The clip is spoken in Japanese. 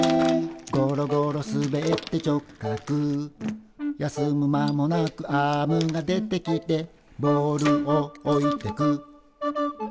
「ゴロゴロ滑って直角」「休む間もなくアームが出てきて」「ボールを置いてく」